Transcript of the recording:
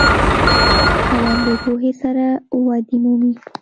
قلم له پوهې سره ودې مومي